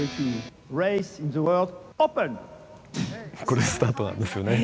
これ、スタートなんですよね。